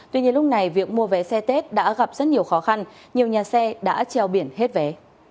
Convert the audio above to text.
tuy nhiên lúc này việc mua vé xe tết đã gặp rất nhiều khó khăn nhiều nhà xe đã treo biển hết vé